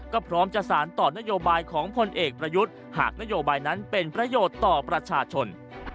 ก็พร้อมจะสารต่อนโยบายของพลเอกประยุทธ์หากนโยบายนั้นเป็นประโยชน์ต่อประชาชน